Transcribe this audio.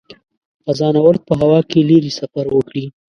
فضانورد په هوا کې لیرې سفر وکړي.